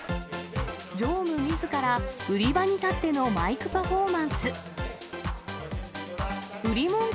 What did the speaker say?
常務みずから、売り場に立ってのマイクパフォーマンス。